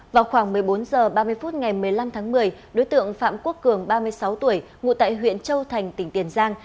vào khoảng một mươi bốn h ba mươi phút ngày một mươi năm tháng một mươi đối tượng phạm quốc cường ba mươi sáu tuổi ngụ tại huyện châu thành tỉnh tiền giang